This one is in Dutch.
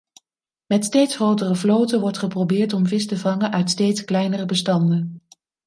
Met steeds grotere vloten wordt geprobeerd om vis te vangen uit steeds kleinere bestanden.